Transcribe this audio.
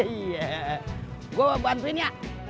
iya gua bantuin ya